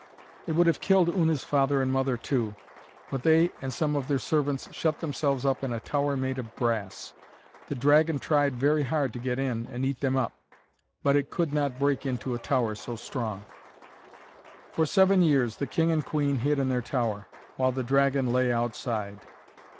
It would have killed Una's father and mother too, but they and some of their servants shut themselves up in a tower made of brass. The dragon tried very hard to get in and eat them up, but it could not break into a tower so strong. For seven years the king and queen hid in their tower, while the dragon lay outside.